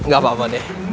gak apa apa deh